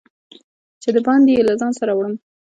چې د باندي یې له ځان سره وړم